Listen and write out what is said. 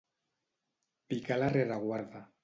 Picar la rereguarda.